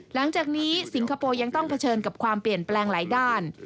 หลังจากนี้สิงคโปร์ยังต้องเผชิญกับความเปลี่ยนแปลงหลายด้าน